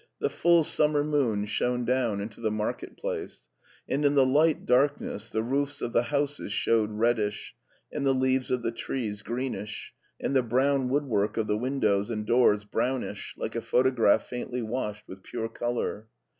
The full summer moon shone down into the Market Place, and in the light darkness the roofs of the houses showed reddish, and the leaves of the trees greenish, and the brown woodwork of the windows and doors brownish, like a photograph faintly washed with pure color.